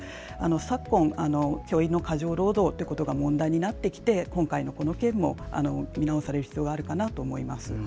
昨今、教員の過剰労働が問題になってきて今回のこの件も見直される必要があるかなと思います。